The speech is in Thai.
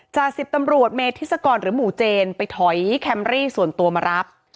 จาก๑๐ตำรวจเมธิศกรหรือหมู่เจนไปถอยแคมรี่ส่วนตัวมารับ